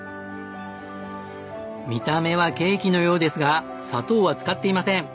見た目はケーキのようですが砂糖は使っていません。